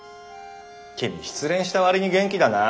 君失恋したわりに元気だなァ。